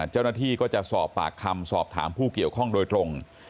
เจ้าหน้าที่ก็จะสอบปากคำสอบถามผู้เกี่ยวข้องโดยตรง